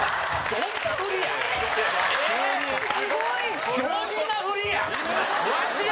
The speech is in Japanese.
どんな振りや！